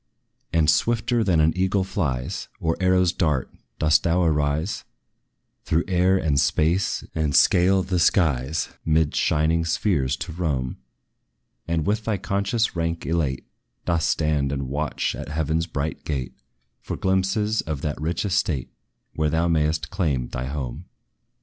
And, swifter than an eagle flies, Or arrows dart, dost thou arise Through air and space, and scale the skies, 'Mid shining spheres to roam: And with thy conscious rank elate, Dost stand and watch at heaven's bright gate, For glimpses of that rich estate Where thou may'st claim thy home.